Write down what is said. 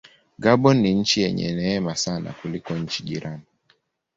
Gabon ni nchi yenye neema sana kuliko nchi jirani.